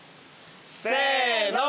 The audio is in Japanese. せの！